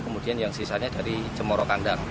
kemudian yang sisanya dari cemoro kandang